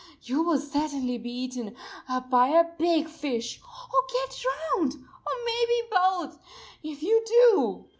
You will certainly be eaten up by a big fish or get drowned or maybe both if you do!"